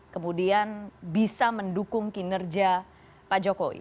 kemudian bisa mendukung kinerja pak jokowi